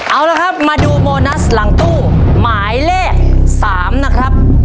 เอาละครับมาดูโบนัสหลังตู้หมายเลข๓นะครับ